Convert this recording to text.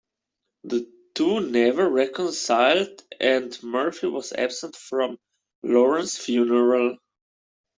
The two never reconciled and Murphy was absent from Lawrence's funeral.